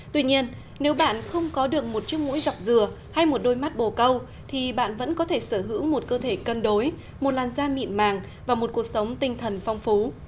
tuy nhiên nếu bạn không có được một chiếc mũi dọc dừa hay một đôi mắt bồ câu thì bạn vẫn có thể sở hữu một cơ thể cân đối một làn da mịn màng và một cuộc sống tinh thần phong phú